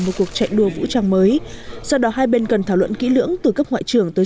một cuộc chạy đua vũ trang mới do đó hai bên cần thảo luận kỹ lưỡng từ cấp ngoại trưởng tới